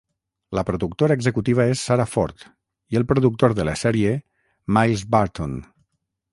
La productora executiva és Sara Ford, i el productor de la sèrie Miles Barton.